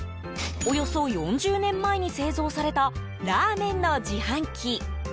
およそ４０年前に製造されたラーメンの自販機。